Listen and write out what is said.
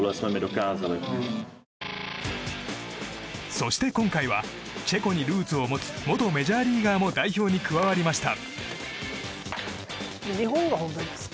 そして今回はチェコにルーツを持つ元メジャーリーガーも代表に加わりました。